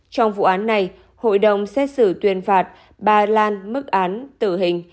trong vụ án này hội đồng xét xử tuyên phạt bà lan mức án tử hình